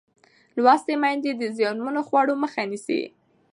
لوستې میندې د زیانمنو خوړو مخه نیسي.